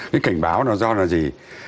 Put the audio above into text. cái cảnh báo nó do là gì